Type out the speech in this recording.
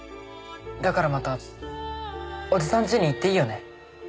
だからまたおじさんちに行っていいよね？